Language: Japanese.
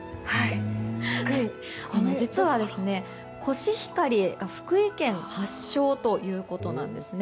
実はコシヒカリが福井県発祥ということなんです。